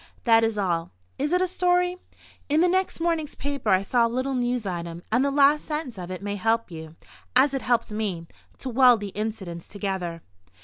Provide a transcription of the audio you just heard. That is all. Is it a story? In the next morning's paper I saw a little news item, and the last sentence of it may help you (as it helped me) to weld the incidents together.